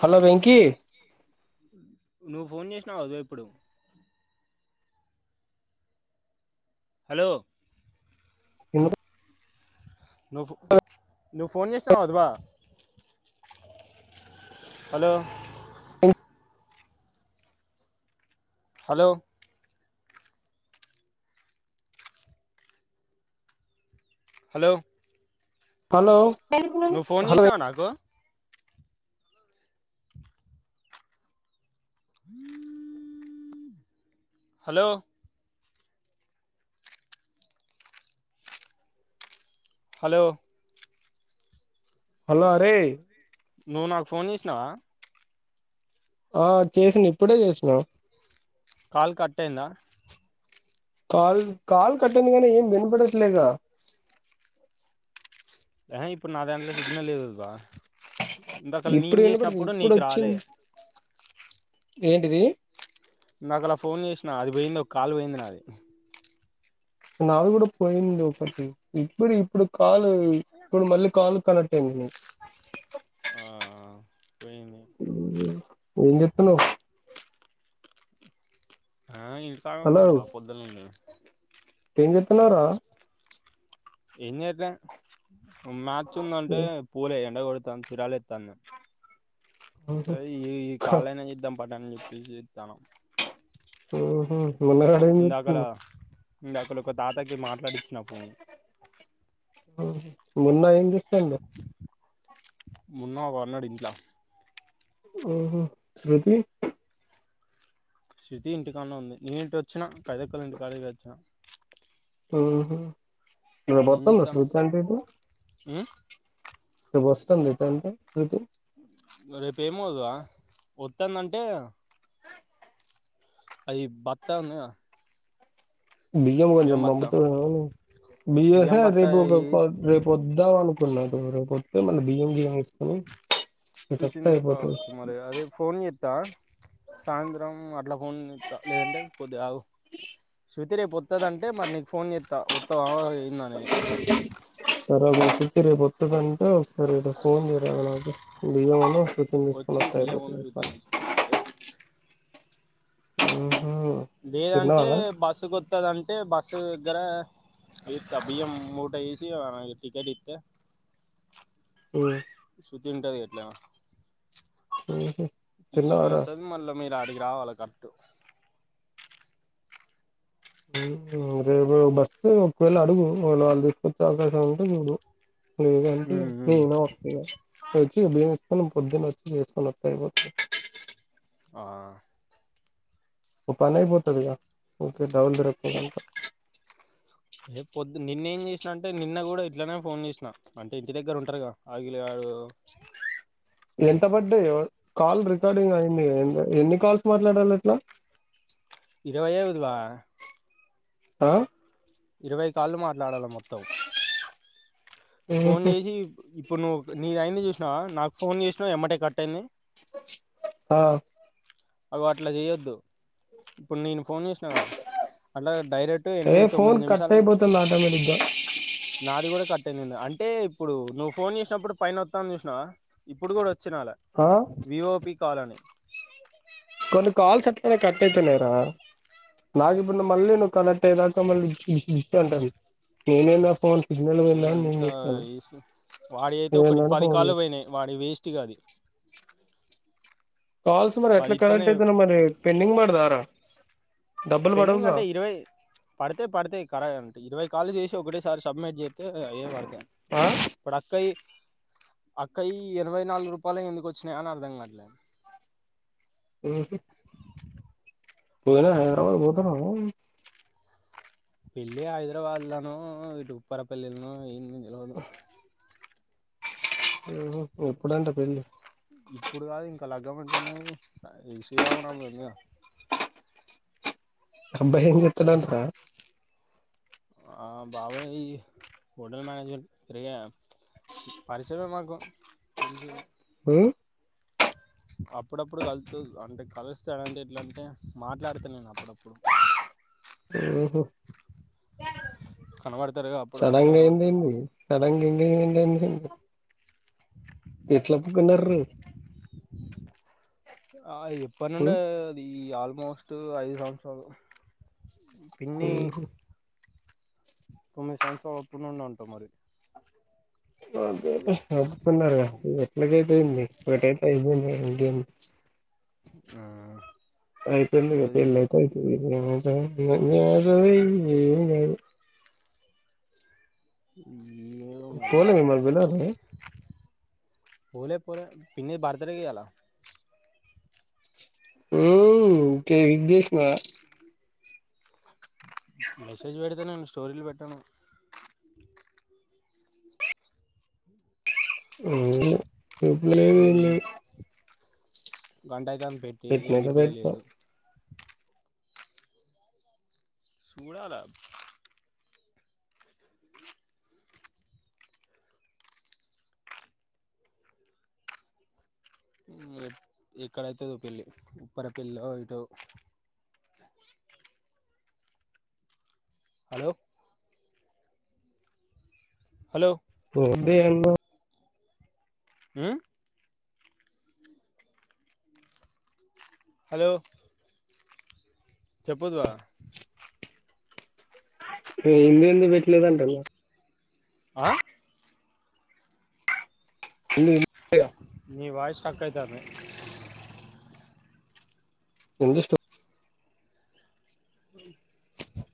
Hello Venky నువ్వు phone చేసినావు కదా ఇప్పుడు హలో ఇని నువ్వు నువ్వు ఫోన్ చేసినావు [unintelligible] హలో హలో హలో హలో నువ్వు ఫోన్ హలో చేసినావా నాకు హ హలో హలో హలో అరే నువ్వు నాకు ఫోన్ చేసినవా ఆ చేసినా ఇప్పుడే చేసినా కాలు కట్ అయిందా కాల్ కట్ అయింది కానీ ఏం వినపడట్లేదు గా ఆహా ఇప్పుడు నాదాంలో సిగ్నల్ లేదు బ ఇంకా అసలు ఇప్పుడు నేను వినపడింది చేసినప్పుడు ఇప్పుడు నీకు రాలే వచ్చింది ఏంటిది ఇందాకల ఫోన్ చేసిన అది పోయింది ఒక కాల్ పోయింది నాది నాది కూడా పోయింది ఒకటి ఇప్పుడు ఇప్పుడు కాలు ఇప్పుడు మళ్ళీ కాల్ కనెక్ట్ అయింది ఆ పోయింది ఏం చెతుతున్నారు హలో [unintelligible] పొద్దుల తిన్నర ఏం చేయట్లే మ్యాచ్ ఉంది అంటే పోలే ఎండ కో [unintelligible] ఏతన్నం సరీ ఈ కాళైనా చేద్దాం పట్ట అని చెప్పేసి చేతనం మొన్న ఇందాకల [unintelligible] ఇందాకల ఒక తాతకి మాట్లాడిచ్చిన ఫోను మున్న ఏం చేస్తాండు మున్న వన్నడు ఇంట్ల ఓహో శృతి శృతి ఇంటికాన్న ఉంది నేను ఇంటి వచ్చినా కైదక్కల ఇంటికాడి వచ్చిన ఉహు ఏం మాట్లాడుతుందా చేత్తన్నావ్ శృతి అంతోటి ఉమ్ ఇ వస్తుంది ఇటంటే శృతి రేపు ఏమో ఇగ వస్తుందంటే అది బత్త ఉన్నాది గా బియ్యం కొంచెం పంపుతావా బియ్య బియ్యం రేపు బత్తాయి రేపు ద వా వద్దామని న్నటురకపోతే మన బియ్యం గియం ఏసుకొని శుృతి తీసుకురావచ్చు మరి అదే ఫోన్ చెత్తా సాయంత్రం అట్లా ఫోన్ చేత్త లేదంటే కొద్ది ఆగు వత్తే రేపు వత్తడంటే మరి నీకు ఫోన్ చేత్త వత్తావ అయిందనే [unintelligible] రేపు వత్తదంటే సరే ఫోను చేయాలి వచ్చి బియ్యం ఉన్ను శృతిని [unintelligible] తీసుకుపో మరి [unintelligible] ఉ లేదంటే బస్సు కొత్తదంటే బస్సు దగ్గర అది త బియ్యము మూట ఏసి అ టికెట్ ఇత్తే ఉ ఉంటాది గిట్ల ఊహూ తిన్నావా తీసుకొని రా వస్తుంది మళ్ళీ మీరు అడికి రావాలి క ఉ రేపు బస్సు ఒకవేళ అడుగు వాళ్ళు వాళ్ళు తీసుకొచ్చే అవకాశం ఉంటే చూడు లేదంటే నేనే వస్త ఇగా పైకి నేను ఎత్తుకోలేను పొద్దున వచ్చి ఎత్తుకొనెత్తే అయిపోతది ఆ ఒ పనయిపోతదిగా ఓకే డౌల్ దర ఏ పొద్దు నిన్న ఏం అంటే నిన్న కూడా ఇట్లనే ఫోన్ చేసిన అంటే ఇంటి దగ్గర ఉంటారుగా ఆగిలి గారు ఎంత పడ్డయి కాల్ రికార్డింగ్ అయింది ఎన్ని కాల్స్ మాట్లాడాలి ఇట్లా ఇరవై అవుదువా ఆ ఇరవై కాళ్ళు మాట్లాడాలి మొత్తం ఫోన్ ఉహు చేసి ఇప్పుడు నువ్వు నీది అయింది చూసినవ నాకు ఫోన్ చేసినవ్ ఎమ్మటే కట్టయింది ఆ అవి అట్లా చేయొద్దు ఇప్పుడు నేను ఫోన్ చేస్ ఆ అంటే డైరెక్ట్ ఏ ఎనిమిది తొమ్మిది ఫోన్ కట్ నిమిషాలు అయిపోతుంది ఆటోమేటిక్గా నాది కూడా కట్ అయింది అంటే ఇప్పుడు నువ్వు ఫోన్ చేసినప్పుడు పైన వత్తాంది చూసినావా ఇప్పుడు కూడా చ్చనాల ఆ విఓపి కాల్ అని కొన్ని కాల్స్ అట్లనే కట్టయితున్నాయి రా నాకు ఇప్పుడు మళ్ళీ నువ్వు కనెక్ట్ అయేదాకా మళ్ళీ ఇ అంటాను నేనేందో ఫోన్ సిగ్నల్ పోయిందా అని నేను ఇదంతా చూస్తాను వాడి అయితే ఒకటి నువ్వేందని పది ఫోన్ కాలు చేస్ పోయినాయి వాడి వేస్ట్గా అది కాల్స్ మరి వాడు ఎట్లా ఇట్లనే కనెక్ట్ అయితన్నాయి మరి పెండింగ్ పడదా రా పెండింగ్ అంటే ఇరవై పడితే పడితే కర అంటే ఇరవై కాలు చేసి ఒకటేసారి సబ్మిట్ ఎత్తో ఏ వాడత ఆ ఇప్పుడు అక్కయి అక్కయి ఎనవై నాలుగు రూపాయల ఎందుకు వచ్చినాయి అని అర్ధం కాట్లే ఉ పోనా హైదరాబాద్ కి పోతన్నావ పెళ్ళి హైదరాబాద్లోనో ఇటు ఉప్పరపల్లినో ఏం తెలవదు ఉహు ఎప్పుడంట పెళ్లి ఇప్పుడు కాదు ఇంకా లగ్గ పెట్టుకునేది శ్రీరామునవమి గా అబ్బాయి ఏం చెత్తండు అంట రా ఆ బాబు ఈ హోటల్ మనేేజ్మెంట్ తిరిగ పరిచయం మాకు తెలుసు ఉ అప్పుడప్పుడు కలుతూ అంటే కలిస్తాడంటే ఎట్లా అంటే మాట్లాడత నేను అప్పుడప్పుడు ఉహు కనవడు సడన్ గా అయింది ఏంది సడన్ గా ఎంగేజ్మెంట్ ఏంది ఎట్లా ఒప్పుకున్నారు ఆ ఎప్పడినుండో అది ఆల్మోస్ట్ ఐదు సంవత్సరాలు పిన్ని ఉహు తొమ్మిది సంవత్సరాల అప్పుడి నుండి అంట మరి అదేలే ఒప్పుకున్నరుగా ఎట్లగాయితే ఏంది ఒకటైతే అయిపోయింది ఇంకేంది ఆ అయిపోయిందిగా పెళ్లయితే అయితది [unintelligible] [unintelligible] ఉ పోలే మిమ్మల్ని పిలవలే పోలే పోలే పిన్ని బర్తుడే ఈయాల హుమ్ కే విష్ చేసినవా మెసేజ్ వెడుత నేను స్టోరీలు పెట్టను [unintelligible] గంట అయితాంది పెట్టి ఏ పెట్టినయితే రిప్లై లేదు పెట్టిన చూడాలా ఎక్కడైతదో పెళ్లి ఉప్పరపెల్లో ఇటో హలో హలో ఓరినియమ్మ ఉ హలో చెప్పుద్వా ఏంది ఏంది పెట్టలేదు అంటున్న ఆ [inaudible] గా నీ వాయిస్ స్ట్రక్ అయితాంది ఏంది స్ట్ర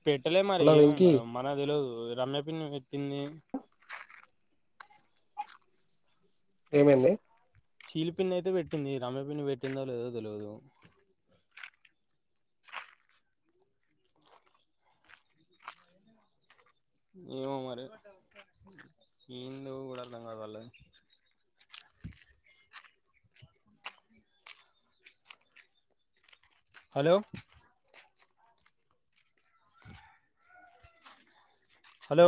పెట్టలే మరి అలో ఏమో వెంకీ మరి మనకు తెలువదు రమ్య పిన్ని పెట్టింది. ఏమైంది చీల్ పిన్ని అయితే పెట్టింది, రమ్య పిన్ని పెట్టిందో లేదో తెలువదు. ఏమో మరి ఏందో కూడా అర్థం కాదు వాళ్ళది. Hello hello